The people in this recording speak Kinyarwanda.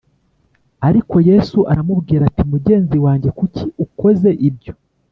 Ariko Yesu aramubwira ati “ mugenzi wanjye kuki ukoze ibyo”